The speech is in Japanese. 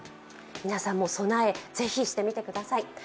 皆さんも備え、ぜひしてみてください。